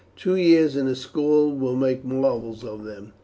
Two years in the schools will make marvels of them.